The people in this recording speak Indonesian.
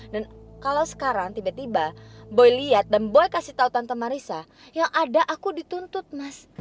dan kalau sekarang tiba tiba boy lihat dan boy kasih tau tante marissa yang ada aku dituntut mas